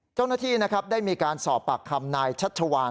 เจ้าหน้าที่นะครับได้มีการสอบปากคำนายชัชวาน